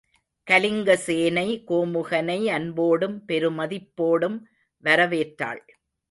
கலிங்கசேனை கோமுகனை அன்போடும் பெருமதிப்போடும் வரவேற்றாள்.